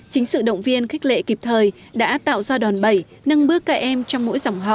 chính sự động viên khích lệ kịp thời đã tạo do đòn bẩy nâng bước các em trong mỗi dòng họ